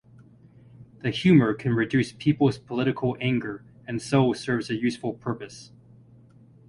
The humour can reduce people's political anger and so serves a useful purpose.